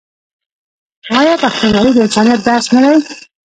آیا پښتونولي د انسانیت درس نه دی؟